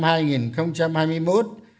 và những nhiệm vụ giải pháp quan trọng